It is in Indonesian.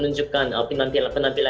dan mereka akan lebih baik